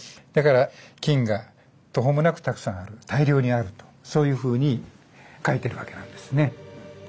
だから金が途方もなくたくさんある大量にあるとそういうふうに書いてるわけなんですね。